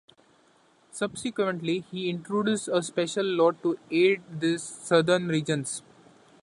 Subsequently he introduced a special law to aid these southern regions.